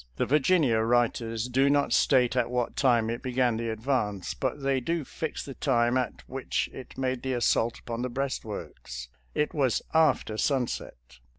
The Virginia writers do not state at what time it began the advance, but they do fix the time at which it made the assault upon the breastworks — it was after sunset.